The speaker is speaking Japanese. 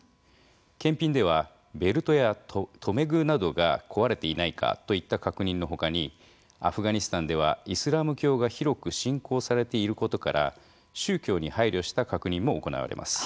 検品ではベルトや留め具などが壊れていないかといった確認のほかにアフガニスタンではイスラム教が広く信仰されていることから宗教に配慮した確認も行われます。